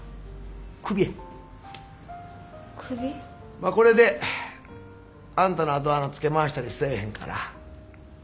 まあこれであんたのあとつけ回したりせえへんから。